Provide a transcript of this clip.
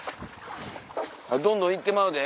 どんどんいってまうで。